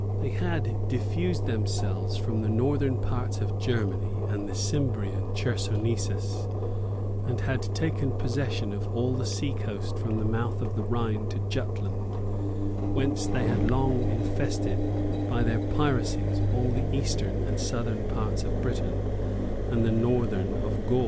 ] They had diffused themselves from the northern parts of Germany and the Cimbrian Chersonesus, and had taken possession of all the sea coast from the mouth of the Rhine to Jutland; whence they had long infested by their piracies all the eastern and southern parts of Britain, and the northern of Gaul.